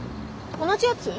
同じやつ？